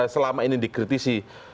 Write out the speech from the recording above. selama ini dikritisi